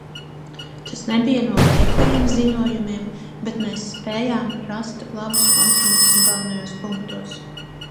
Tas nebija no vieglajiem ziņojumiem, bet mēs spējām rast labus kompromisus galvenajos punktos.